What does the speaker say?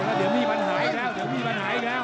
เอ้าแล้วเดี๋ยวมีปัญหาอีกแล้ว